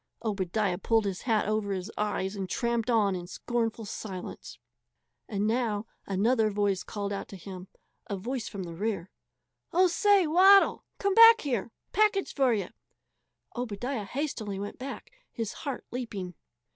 Obadiah pulled his hat over his eyes and tramped on in scornful silence. And now another voice called out to him, a voice from the rear: "Oh, say! Waddle! Come back here package for ye!" Obadiah hastily went back, his heart leaping.